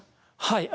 はい。